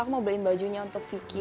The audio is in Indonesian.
aku mau beliin bajunya untuk vicky